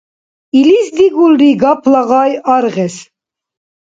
Илис дигулри гапла гъай аргъес.